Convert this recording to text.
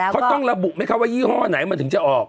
เขาต้องระบุไหมคะว่ายี่ห้อไหนมันถึงจะออก